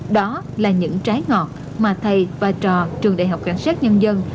đó là những trái ngọt mà thầy và trò trường đại học cảnh sát nhân dân